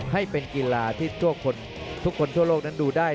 ให้เป็นกีฬาที่ทุกคนทั่วโลกนั้นดูได้